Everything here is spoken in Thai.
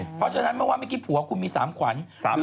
เพราะฉะนั้นเมื่อวานเมื่อกี้ผัวคุณมี๓ขวัญ